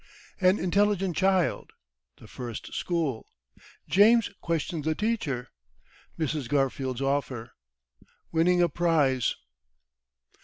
An Intelligent Child The First School James questions the Teacher Mrs. Garfield's Offer Winning a Prize.